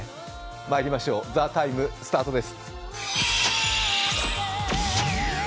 まいりましょう、「ＴＨＥＴＩＭＥ，」スタートです。